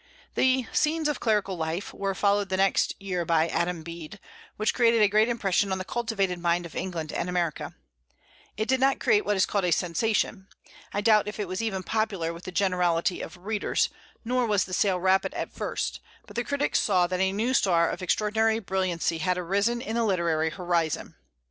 The "Scenes of Clerical Life" were followed the next year by "Adam Bede," which created a great impression on the cultivated mind of England and America. It did not create what is called a "sensation." I doubt if it was even popular with the generality of readers, nor was the sale rapid at first; but the critics saw that a new star of extraordinary brilliancy had arisen in the literary horizon.